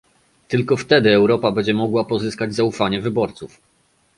Tylko wtedy Europa będzie mogła pozyskać zaufanie wyborców